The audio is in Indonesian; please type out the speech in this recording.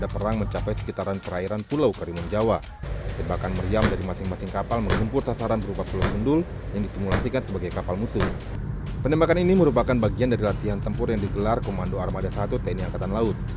penembakan ini merupakan bagian dari latihan tempur yang digelar komando armada satu tni angkatan laut